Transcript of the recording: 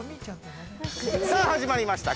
◆さあ、始まりました。